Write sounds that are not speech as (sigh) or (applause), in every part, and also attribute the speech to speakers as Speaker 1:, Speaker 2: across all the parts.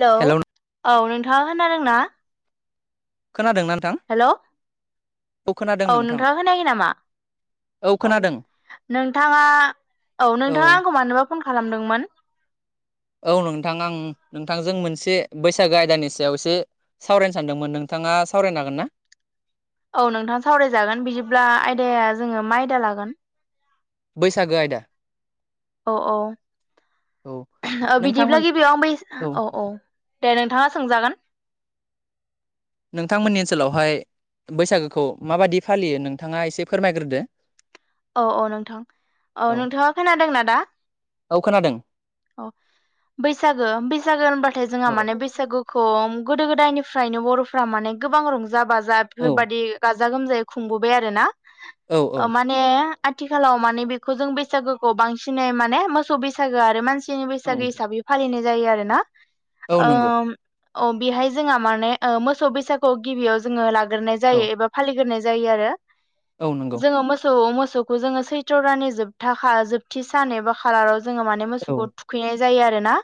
Speaker 1: Hello औ नोंथाङा खोनादोंना
Speaker 2: खोनादोंना नोंथां
Speaker 1: हेलौ
Speaker 2: खोनादों
Speaker 1: औ
Speaker 2: नोंथां
Speaker 1: नोंथाङा खोनायाखै नामा औ नोंथाङा औ नोंथाङा आंखौ मानोबा फन खालामदोंमोन
Speaker 2: औ नोंथां आं नोंथांजों मोनसे बैसागो आयदानि सायाव एसे सावरायनो सानदोंमोन नोंथां नोंथाङा सावरायनो हागोन ना
Speaker 1: औ नोंथाङा सावरायजागोन बिदिब्ला आयदाया जोङो मा आयदा लागोन
Speaker 2: बैसागो आयदा
Speaker 1: औ औ
Speaker 2: नोंथांमोन
Speaker 1: बिदिब्ला गिबियाव आं बै औ औ दे नोंथाङा सोंजागोन
Speaker 2: नोंथांमोननि ओनसोलावहाय बैसागोखौ माबादि फालियो नोंथाङा एसे फोरमायग्रोदो
Speaker 1: औ औ नोंथां औ नोंथाङा खोनादोंना दा
Speaker 2: औ खोनादों
Speaker 1: औ बैसागो बैसागो होनबाथाय जोंहा
Speaker 2: औ
Speaker 1: माने बैसागोखौ गोदो गोदायनिफ्राय निफ्रायनो बर'फ्रा माने गोबां रंज-बाजा
Speaker 2: औ
Speaker 1: बेफोरबायदि गाजा गोमजायै खुंबोबाय आरोना।
Speaker 2: औ औ।
Speaker 1: आथिखालाव माने बेखौ जों बैसागोखौ बांसिनै माने मोसौ बैसागो आरो मानसि नि बैसागो
Speaker 2: औ
Speaker 1: हिसाबै फालिनाय जायो आरो ना।
Speaker 2: औ नंगौ
Speaker 1: अ बेहाय जोंहा माने मोसौ बैसागु गिबियाव जोङो लाग्रोनाय
Speaker 2: औ
Speaker 1: जायो एबा फालिग्रोनाय जायो आरो।
Speaker 2: औ नंगौ।
Speaker 1: जोङो मोसौ मोसौखौ जोङो सैथ्र' दाननि जोब जोबथि सान एबा खाालार जोंङो माने
Speaker 2: औ
Speaker 1: मोसौखौ थुखैनाय जायो आरोना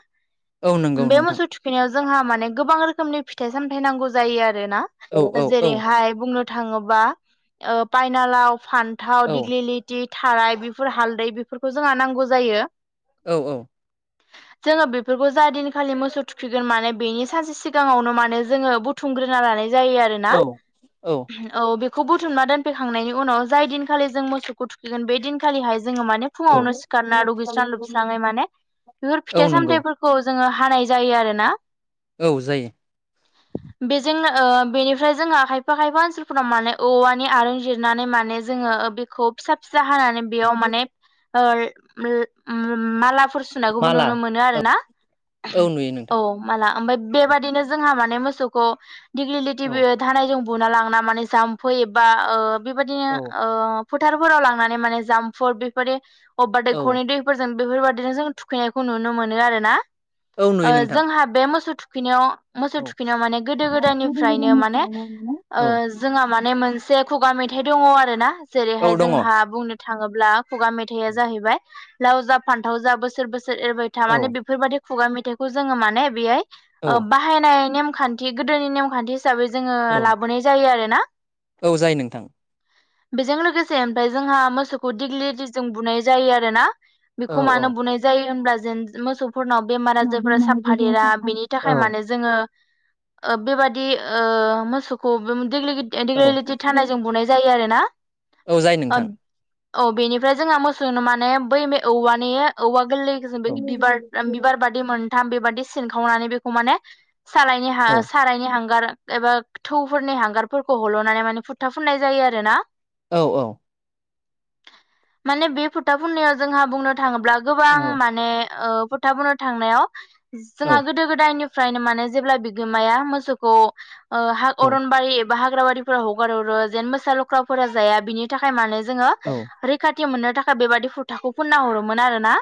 Speaker 2: औ नंगौ
Speaker 1: बे
Speaker 2: नोंथां
Speaker 1: मोसौ थुखैनायाव जोंहा माने गोबां रोखोमनि फिथाइ सामथाय नांगौ जायो आरोना
Speaker 2: औ औ औ
Speaker 1: जेरैहाय बुंनो थाङोबा पाइनालाव, फान्थाव,
Speaker 2: औ
Speaker 1: दिग्लिलिटि थाराय बेफोर हालदै बेफोरखौ जोंहा नांगौ जायो।
Speaker 2: औ
Speaker 1: जोङो बेफोरखौ जा दिनखालि मोसौ थुखैगोन माने बेनि सानसे सिगाङावनो माने जोङो बुथुम लानाय जायो आरोना
Speaker 2: औ
Speaker 1: औ बेखौ बुथुमना दोनफैखांनायनि उनाव जाय दिन खालि जों मोसौखौ थुखैगोन बे दिनखालिहाय जोङो माने
Speaker 2: औ
Speaker 1: फुङावनो सिखारना दुगैस्रां लोबस्राङै माने बेफोर
Speaker 2: औ
Speaker 1: फिथाइ
Speaker 2: नंगौ
Speaker 1: सामथायफोरखौ जोङो हानाय जायो आरोना।
Speaker 2: औ जायो।
Speaker 1: बेजोंनो बेनिफ्राय जोंहा खायफा खायफा ओनसोलफोराव माने औवानि आरं जिरनानै माने जोंङो बिखौ फिसा फिसा हानानै बेयाव माने ओ उ उम माला फुर सुनायखौबो
Speaker 2: माला
Speaker 1: नुनो मोनो आरो
Speaker 2: औ
Speaker 1: ना।
Speaker 2: औ नुयो नोंथां
Speaker 1: औ मोसौखौ दिग्लिटि
Speaker 2: औ
Speaker 1: थानायजों बुना लांना माने
Speaker 2: औ
Speaker 1: ओ फोथारफोराव लांनानै माने जाम्फुर बेफोरदि अबेबा
Speaker 2: औ
Speaker 1: दैखरनि दैफोरजों बेफोरबादिनो जों थुखैनायखौ नुनो मोनो आरोना
Speaker 2: औ
Speaker 1: ओ
Speaker 2: नुयो नोंथां
Speaker 1: जों मोसौ
Speaker 2: औ
Speaker 1: थुफिनायाव माने गोदो गोदायनिफ्रायनो माने
Speaker 2: औ
Speaker 1: जोंहा माने माने मोनसे खुगा मेथाइ दङ आरोना
Speaker 2: औ
Speaker 1: जेरैहाय
Speaker 2: दङ औ
Speaker 1: जोंहा बुंनो थाङोब्ला खुगा मेथाइआ जाहैबाय लाव जा फान्थाव जााब बोसोर बोसोर एरबाय था
Speaker 2: औ
Speaker 1: माने बेफोर बायदि खुगा मेथाइखौ जोङो माने बेहाय
Speaker 2: औ
Speaker 1: बाहायनाय नेमखान्थि गोदोनि नेमखान्थि हिसाबै जोङो लाबोनाय जायो आरो ना।
Speaker 2: औ जायो नोंथां।
Speaker 1: बेजों लोगोसे ओमफ्राय जोंहा मोसौखौ दिग्लिथिजोंं बुनाय जायो आरो ना।
Speaker 2: औ
Speaker 1: बेखौ
Speaker 2: औ
Speaker 1: मानो बुनाय जायो होनब्ला जेन मोसौ फोरनाव बेमार
Speaker 2: औ जायो
Speaker 1: आजारफोरा
Speaker 2: नोंथां
Speaker 1: साफादेरा बेनि थाखाय
Speaker 2: औ
Speaker 1: माने जोङो बेबादि ओ मोसौखौ बे
Speaker 2: औ
Speaker 1: देग्लिटि थानाय जों बुनाय जायो आरो ना।
Speaker 2: औ जायो नोंथां।
Speaker 1: औ बेनिफ्राय जोंहा मोसौ माने बै मे औवानिया गोरलैजों बे बिबार बिबार बादि मोनथाम बेबादि सिनखावनानै बेखौ माने सारायनि हां सारायनि हांगार एबा थौफोरनि हांगारफोरखौ हल'नानै माने फुथा फुननाय जायो आरो ना।
Speaker 2: औ औ।
Speaker 1: माने बे फुथा फुननाययाव जोंहा बुंनो थाङोब्ला गोबां
Speaker 2: औ
Speaker 1: माने फथा बुंनो थांनायाव जोंहा गोदो गोदायनि नो माने जेब्ला बिगोमाया मोसौखौ अरनबारि बा हाग्र बारिफोरा हगार हरो जेन मोसा लख्राफोरा जाया बिनि थाखाय मानो जोङो
Speaker 2: औ
Speaker 1: रैखा मोननो थाखाय बेबादि फुथाखौ फुनना हरोमोन आरोना।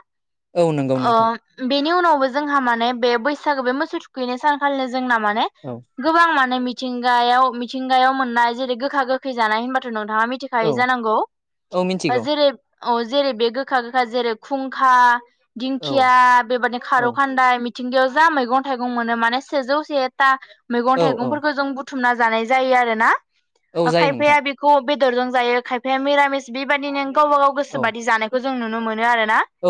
Speaker 2: औ नंगौ नोंथां।
Speaker 1: नि उनावबो जोंहा माने बे बैसागो बे मोसौ थुखैनाय सानखालिनो जोंना माने
Speaker 2: औ
Speaker 1: गोबां माने मिथिंगायाव मिथिंगायाव मोननाय जेरै गोखा गोखै जानाय होनबाथ' नोंथांआ
Speaker 2: औ
Speaker 1: मिथिखायो जानांगौ
Speaker 2: औ मिथिगौ
Speaker 1: जेरै अ जेरै बे गोखा-गोखा जेरै खुंखा,
Speaker 2: औ
Speaker 1: दिंखिया, बेबादि
Speaker 2: औ
Speaker 1: खारौ खान्दाय मिथिंगिायाव जा मैगं-थाइगं मोनो माने सेजौ सेथा
Speaker 2: औ
Speaker 1: मैगं
Speaker 2: औ
Speaker 1: थाइगंफोरखौ जों बुथुमना जानाय जायो आरोना।
Speaker 2: औ जायो नोंथां।
Speaker 1: बेदरजों जायो खायफाया मिरामिस बेबायदिनो गावबा-गाव
Speaker 2: औ
Speaker 1: गोसोबादि जानायखौ जों नुनो मोनो।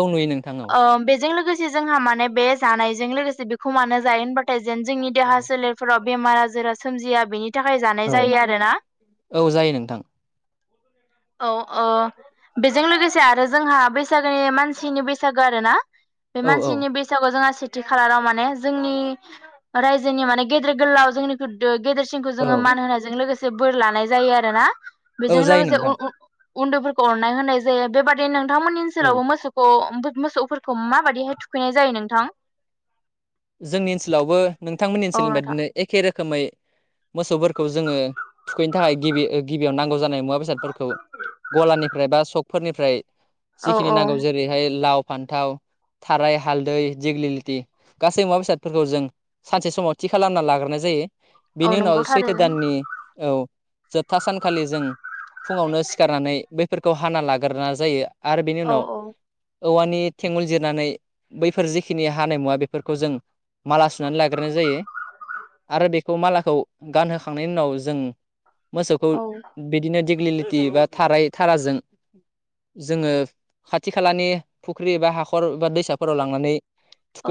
Speaker 2: औ नुयो नोंथां औ
Speaker 1: बेजों लोगोसे जोंहा माने बे जानायजों लोगोसे बेखौ मानो जायो? होनबाथाय जेन जोंनि देहा सोलेरफोराव बेमार-आजार जा सोमजिया बेनि थाखाय जानाय जायो आरो ना
Speaker 2: औ-औ। जायो नोंथां।
Speaker 1: औ-औ बेजों लोगोसे आरो जोंहा बैसागोनि मानसिनि बैसागो आर ना? बे
Speaker 2: औ औ
Speaker 1: मानसिनि बैसागु जोंहा खालाराव माने जोंनि रायजोनि माने गेदेर गोलाव जोंनि गेदेर खौ
Speaker 2: औ
Speaker 1: जोङो मान होनायजों लोगोसे बोर लानाय जायो आरोना
Speaker 2: औ
Speaker 1: बेजों
Speaker 2: जायो
Speaker 1: लोगोसे
Speaker 2: नोंथां
Speaker 1: उन उन उन्दैफोरखौ अननाय होनाय जायो बेबादि नोंथांमोननि
Speaker 2: औ
Speaker 1: ओनसोलावबो मोसौखौ मोसौफोरखौ माबादिहाय थुखैनाय जायो नोंथां?
Speaker 2: जोंनि ओनसोलावबो नोंथांमोननि
Speaker 1: औ
Speaker 2: ओनसोलनि
Speaker 1: नोंथां
Speaker 2: बायदिनो एखे रोखोमै मोसौफोरखौ जोङो थुखैनो थाखाय गिबि गिबियाव नांगौ जानाय मुवा बेसादफोरखौ गलानिफ्राय बा सकफोरनिफ्राय
Speaker 1: औ
Speaker 2: जिखिनि
Speaker 1: औ
Speaker 2: नांगौ जेरैहाय लाव फान्थाव थाराय हालदै दिेग्लिलिथि गासै मुवा बेसादफोरखौ जों सानसे समाव थि खालामना लाग्रोनाय जायो। बिनि
Speaker 1: औ
Speaker 2: उनाव
Speaker 1: नंगौ
Speaker 2: सैथो
Speaker 1: थारैनो
Speaker 2: दाननि औ। जोबथा सानखालि जों फुङावनो सिखारनानै बैफोरखौ हाना लाग्रोना जायो आरो बेनि
Speaker 1: औ
Speaker 2: उनाव
Speaker 1: औ
Speaker 2: औवानि थेंगल जिरनानै बैफोर जिखिनि हानाय मुवा बेफोर फोरखौ जों माला सुनानै लाग्राय जायो। आरो बेखौ मालाखौ गानहोखांनायनि उनाव जों मोसौखौ
Speaker 1: औ
Speaker 2: बिदिनो दि ग्लिलिथि बा थाराइ थाराजों जोङो खाथि खालानि फुख्रि बा हाखर बा दैसाफोराव लांनानै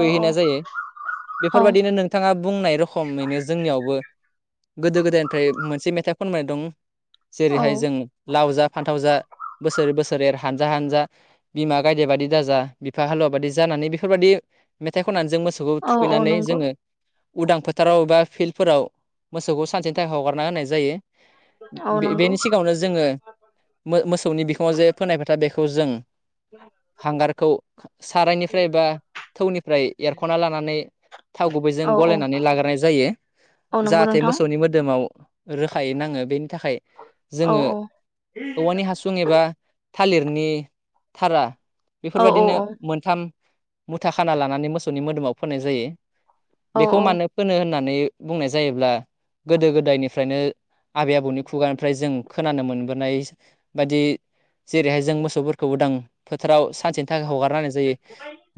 Speaker 1: औ
Speaker 2: जायो
Speaker 1: औ
Speaker 2: बेफोरबायदिनो नोंथाङा बुंनाय रखमैनो जोंनियावबो गोदो गोदायनिफ्राय मोनसे मेथाइ खनबोनाय दं
Speaker 1: औ
Speaker 2: जेरैहाय जों लाउ जा फान्थावजा बोसोर बोसोर एर हानजा हानजा बिमा गायदे बादि दाजा बिफा हालुवा बादि जानानै बेफोरबायदि मेथाइ खननानै जों मोसौखौ
Speaker 1: औ औ
Speaker 2: थुखैनानै
Speaker 1: नंगौ
Speaker 2: जोङो उदां फोथाराव बा फिल्डफोराव मोसौखौ सानसेनि थाखाय हगारना होनाय जायो।
Speaker 1: औ नंगौ
Speaker 2: बे-बेनि सिगाङावनो जोङो मो-मोसौनि बिखङाव जे फोनाय फोथा बेखौ जों हांगारखौ सारायनिफ्राय बा निफ्राय एरख'ना लानानै थाव गुबैजों
Speaker 1: औ औ
Speaker 2: गलायनानै लाग्रोनाय जायो
Speaker 1: औ नंगौ
Speaker 2: जाहाथे
Speaker 1: नोंथां
Speaker 2: मोसौनि मोदोमाव रोखायै नाङो बेनि थाखाय
Speaker 1: औ
Speaker 2: जोङो औवानि हासुं एबा थालिरनि थारा
Speaker 1: औ औ
Speaker 2: बेफोरबादिनो
Speaker 1: औ
Speaker 2: मोनथाम खाना लानानै मोसौनि मोदोमाव फोनाय जायो
Speaker 1: औ
Speaker 2: बेखौ मानो फोनो होननानै बुंनाय जायोब्ला गोदो गोदायनिफ्रायनो आबै आबौनि खुगानिफ्राय जों खोनानो मोनबोनाय बायदि जेरैहाय जों मोसौफोरखौबो उदां फोथाराव सानसेनि थाखाय हगार ना होनाय जायो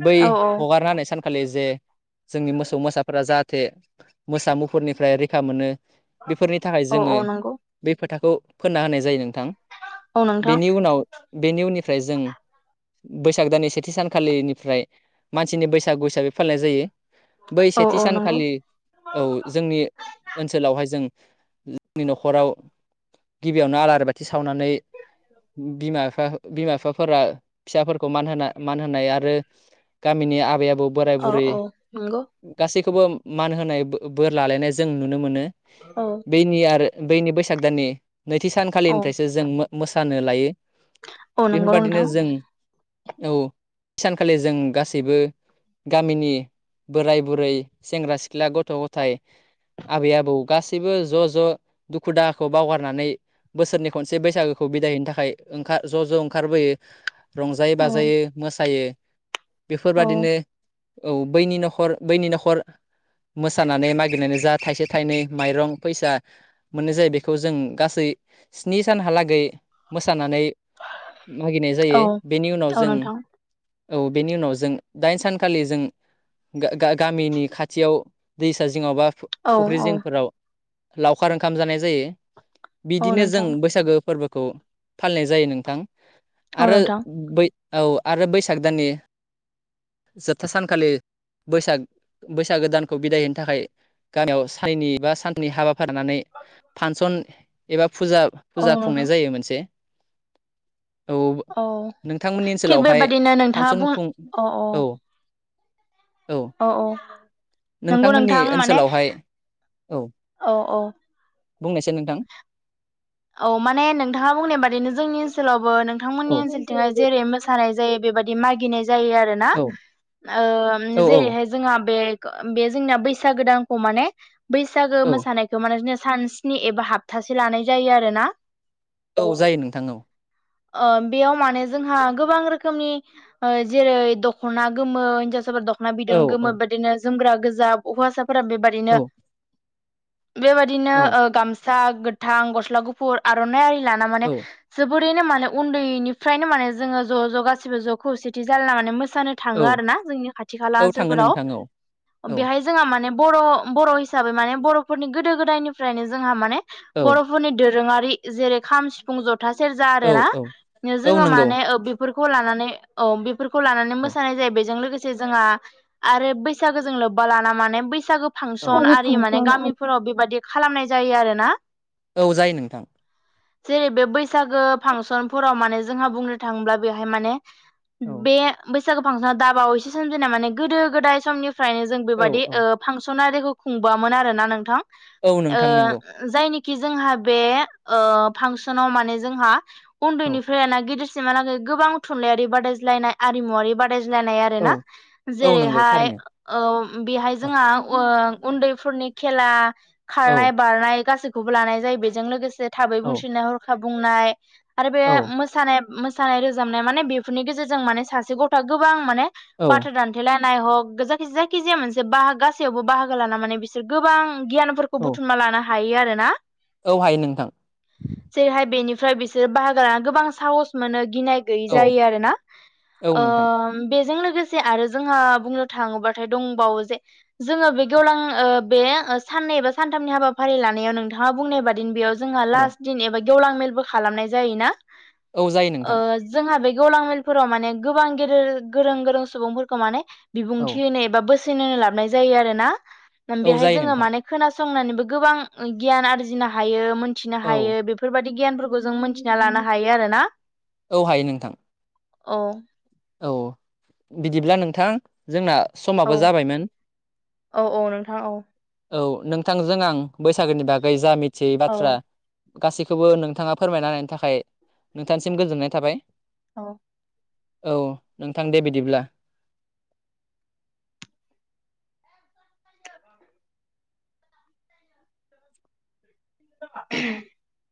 Speaker 2: बै
Speaker 1: औ
Speaker 2: हगारना होनाय सानखालि जे जोंनि मोसौ मोसाफोरा जा जाहाथे मोसा मुफुरनिफ्राय रैखा मोनो बेफोरनि थाखाय
Speaker 1: औ
Speaker 2: जोङो
Speaker 1: औ नंगौ
Speaker 2: बे फोथाखौ फोनना होनाय जायो नोंथां
Speaker 1: औ नोंथां
Speaker 2: बेनि उनाव बेनि उननिफ्राय जों बैसाग दाननि सेथि सानखालिनिफ्राय मानसिनि बैसागु हिसाबै फालिनाय जायो। बै
Speaker 1: औ
Speaker 2: सेथि
Speaker 1: औ नंगौ
Speaker 2: सानखालि औ जोंनि ओनसोलावहाय जों जोंनि न'खराव गिबियावनो आलारि बाथि सावनानै बिमाफा बिमा बिफाफोरा फिसाफोरखौ मान होना मान होनाय आरो गामिनि आबै आबौ बोराय
Speaker 1: औ
Speaker 2: बुरै
Speaker 1: औ नंगौ
Speaker 2: गासै खौबो मान होनाय बोर लालायनाय जों नुनो मोनो
Speaker 1: औ
Speaker 2: बेनि आरो बैनि बैसाग दाननि नैथि
Speaker 1: औ
Speaker 2: सानखालिनिफ्रायसो जों मोसानो लायो।
Speaker 1: औ नंगौ
Speaker 2: बेफोरबादिनो
Speaker 1: नोंथां।
Speaker 2: जों औ सानखालि जों गासैबो गामिनि बोराय बुरै सेंग्रा सिख्ला गथ' गथाय आबै आबौ गासैबो ज' ज' दुखु दाहाखौ बावगारनानै बोसोरनि खनसे बैसागोखौ बिदायहैनो थाखाय ओंखार ज' ज' ओंखारबोयो रंजायो
Speaker 1: औ
Speaker 2: बाजायो मोसायो।
Speaker 1: औ
Speaker 2: बेफोरबादिनो औ बैनि न'खर बैनि न'खर मोसानानै मागिरनानै जा थाइसे थाइनै माइरं फैसा मोननाय जायो बेखौ जों गासै स्नि सानहालागै मोसानानै मागिनाय जायो
Speaker 1: औ
Speaker 2: बेनि उनाव
Speaker 1: औ
Speaker 2: जों
Speaker 1: नोंथां
Speaker 2: औ बेनि उनाव जों दाइन सानखालि जों गा-गा-गामिनि खाथियाव दैसा जिङाव बा
Speaker 1: औ
Speaker 2: फु-फुख्रि
Speaker 1: औ
Speaker 2: जिंफोराव लावखार ओंखाम जानाय जायो
Speaker 1: औ
Speaker 2: बिदिनो जों
Speaker 1: नोंथां
Speaker 2: बैसागो फोरबोखौ फालिनाय जायो नोंथां
Speaker 1: औ
Speaker 2: आरो
Speaker 1: नोंथां
Speaker 2: बै औ आरो बैसाग दाननि जोबथा सानखालि बैसाग बैसागोदानखौ बिदाय होनो थाखाय गामियाव सानननै एबा सानथामनि हाबाफारि लानानै फांसन एबा फुजा
Speaker 1: औ
Speaker 2: फुजा खुंनाय
Speaker 1: नोंथां
Speaker 2: जायो मोनसे। औ
Speaker 1: औ
Speaker 2: नोंथांमोननि
Speaker 1: थिग
Speaker 2: ओनसोलावहाय
Speaker 1: बेबादिनो नोंथाङा
Speaker 2: फांसन
Speaker 1: बुं
Speaker 2: खुं औ
Speaker 1: औ औ नंगौ
Speaker 2: नोंथांमोननि
Speaker 1: नोंथां माने
Speaker 2: ओनसोलावहाय औ
Speaker 1: औ औ
Speaker 2: बुंनायसाय नोंथां।
Speaker 1: औ माने नोंथाङा बुंनाय बादिनो जोंनि ओनसोलावबो नोंथांमोननि
Speaker 2: औ
Speaker 1: ओनसोलथिंजाय जेरै मोसानाय जायो बेबायाददि मागिनाय जायो आरोना
Speaker 2: औ औ
Speaker 1: जेरैहाय ओ जोंहा बे बे जोंना बैसागो दानखौ माने बैसागो
Speaker 2: औ
Speaker 1: मोसानायखौ माने जोंना सान स्नि एबा हप्तासे लानाय जायो आरोना।
Speaker 2: औ जायो नोंथां औ
Speaker 1: ओ बेयाव माने जोंहा गोबां रोखोमनि ओ जेरै दख'ना गोमो हिनजावसाफोर दख'ना
Speaker 2: औ
Speaker 1: बिदन गोमो बिदिनो जोमग्रा गोजा हौवासाफोरा
Speaker 2: औ
Speaker 1: बेबादिनो बेबायदिनो
Speaker 2: औ
Speaker 1: ओ गामसा गोथां गस्ला गुफुर आर'नाइ आरि लाना माने
Speaker 2: औ
Speaker 1: जोब रैनो माने उन्दैनिफ्रायनो माने जोङो ज' ज' गासिबो ज' खौसेथि जालायना माने मो सानो थाङो
Speaker 2: औ
Speaker 1: आरोना जोंनि खाथि खाला
Speaker 2: औ थाङो नोंथां औ
Speaker 1: ओनसोलफोराव
Speaker 2: औ
Speaker 1: बेहाय जोंहा माने बर' बर' हिसाबै माने बर'फोरनि गोदो गोदायनिफ्रायनो जोंहा माने
Speaker 2: औ
Speaker 1: बर'फोरनि दोरोङारि जेरै खाम सिफुं जथा सेरजा
Speaker 2: औ
Speaker 1: आरोना
Speaker 2: औ औ
Speaker 1: जोङो
Speaker 2: नंगौ
Speaker 1: माने ओ बेफोर खौ लानानै औ बेफोरखौ लानानै
Speaker 2: औ
Speaker 1: मोसानाय जायो बेजों लोगोसे जोंहा आरो बैसागो जों लोब्बा लाना माने बैसागो
Speaker 2: औ
Speaker 1: फांसन आरि माने गामिफोराव बेबादि खालामनाय जायो आरोना।
Speaker 2: औ जायो नोंथां
Speaker 1: जेरै बे बैसागो फांसनफोराव माने जोंहा बुंनो थाङोब्ला बेहाय माने
Speaker 2: औ
Speaker 1: बे बैसागु फांसनाव दाबाव एसे सोमजिना माने गोदो गोदाय समनि फ्रायनो जों
Speaker 2: औ
Speaker 1: बेबायदि ओ
Speaker 2: औ
Speaker 1: फांसनारिखौ खुंबोआमोन आरोना नोंथां।
Speaker 2: औ
Speaker 1: ओ
Speaker 2: नोंथां नंगौ
Speaker 1: जायनि जोंहा बे ओ फांसनाव माने जोंहा
Speaker 2: औ
Speaker 1: उन्दैनिफ्रायना गिदिर सिमहालागै गोबां थुनलाइयारि बादायज्लायनाय आरिमुवारि बादा ज्लायनाय आरो
Speaker 2: औ
Speaker 1: ना
Speaker 2: औ नंगौ
Speaker 1: जेरैहाय
Speaker 2: थारैनो
Speaker 1: ओवम बेहाय
Speaker 2: औ
Speaker 1: जोंहा वो‌ उन्दैफोर फोरनि खेला
Speaker 2: औ
Speaker 1: खारनाय बारनाय गासिबो लानाय जायो बेजों लोगोसे थाबै
Speaker 2: औ
Speaker 1: बुंसिनाय हरखाब बुंनाय आरो बे
Speaker 2: औ
Speaker 1: मोसानाय मोसानाय रोजाबनाय माने बेफोरनि गेजेरजों माने सासे गथ'आ गोबां माने बाथ्रा
Speaker 2: औ
Speaker 1: दान्थेलायनाय हक गोज जायखिजाया मोनसे बाहागो गासैयावबो बाहागो लाना माने बिसोर गोबां गियानफोरखौ बुथुमना लानो हायो आरोना।
Speaker 2: औ हायो नोंथां
Speaker 1: ओमफ्राय बिसोरो बाहागो लाना गोबां साहस मोनो‌ गिनाय गैयै
Speaker 2: औ
Speaker 1: जायो आरोना
Speaker 2: औ
Speaker 1: ओ
Speaker 2: नोंथां
Speaker 1: बेजों लोगो से आरो जोंहा बुंनो थाङोबाथाय दंबावो जे जोङो बे गेवलां ओ बे साननैबा सानथामनि हाबाफारि लानायाव नोंथा ङा बुंनाय बादिनो बेयाव जोंहा
Speaker 2: औ
Speaker 1: लास्ट दिन एबा गेवलां मेलबो खालामनाय जायोना।
Speaker 2: औ जायो
Speaker 1: ओ
Speaker 2: नोंथां
Speaker 1: जोंहा बे गेवलां मेलफोराव माने गोबां गेदेर गोरों गोरों सुबुंफोरखौ माने
Speaker 2: औ
Speaker 1: बिबुंथि होनो एबा बोस सोन होनो लाबनाय जायो आरोना
Speaker 2: औ
Speaker 1: बेहाय
Speaker 2: जायो
Speaker 1: जोङो
Speaker 2: नोंथां
Speaker 1: माने खोनासंनानैबो गोबां गियान आरजिनो हायो मोनथिनो
Speaker 2: औ
Speaker 1: हायो बेफोरबादि गियानफोरखौ जों मोनथिनानै लानो हायो आरोना
Speaker 2: अ हायो नोंथां
Speaker 1: अह
Speaker 2: औ बिदिब्ला नोंथां जोंना
Speaker 1: औ
Speaker 2: समाबो जाबायमोन
Speaker 1: औ औ नोंथाङा औ
Speaker 2: औ नोंथांजों आं बैसागोनि बागै जा मिथियै
Speaker 1: औ
Speaker 2: बाथ्रा गासैखौबो नोंथाङा फोरमायना होनायनि थाखाय नोंथांनिसिम गोजोननाय थाबाय
Speaker 1: औ
Speaker 2: औ नोंथां दे बिदिब्ला
Speaker 1: (unintelligible)